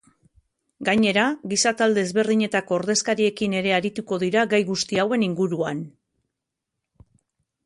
Gainera, giza talde ezberdinetako ordezkariekin ere arituko dira gai guzti hauen inguruan.